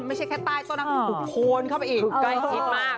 ไม่ใช่เค่ใต้โต๊ะนักอุกโพนเข้าไปอีกใกล้คลิปมาก